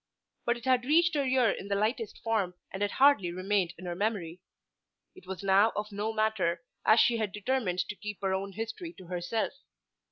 But it had reached her ear in the lightest form, and had hardly remained in her memory. It was now of no matter, as she had determined to keep her own history to herself.